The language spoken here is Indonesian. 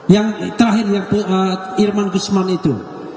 yang terakhir yang irman gusman itu